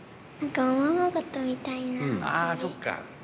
ああ、そっか。